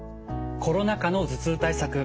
コロナ禍の頭痛対策